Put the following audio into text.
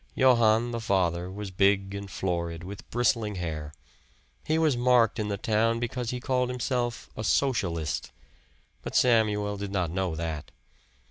Johann, the father, was big and florid, with bristling hair. He was marked in the town because he called himself a "Socialist," but Samuel did not know that.